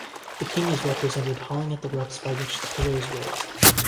The king is represented hauling at the ropes by which the pillar is raised.